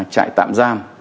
trại tạm giam